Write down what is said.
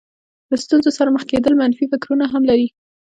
له ستونزې سره مخ کېدل منفي فکرونه هم لري.